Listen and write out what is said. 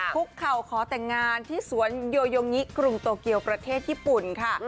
คุกเข่าขอแต่งงานที่สวนโยโยงิกรุงโตเกียวประเทศญี่ปุ่นค่ะ